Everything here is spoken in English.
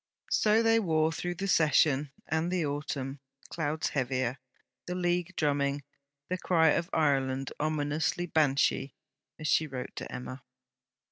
So they wore through the Session and the Autumn, clouds heavier, the League drumming, the cry of Ireland 'ominously Banshee,' as she wrote to Emma.